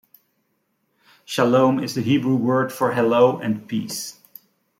Shalom is the Hebrew word for "hello" and "peace".